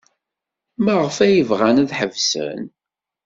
Maɣef ay bɣan ad ḥebsen?